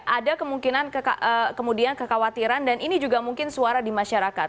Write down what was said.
ada kemungkinan kemudian kekhawatiran dan ini juga mungkin suara di masyarakat